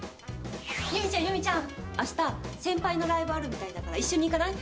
由美ちゃん、由美ちゃん、あした、先輩のライブあるみたいだから、一緒に行かない？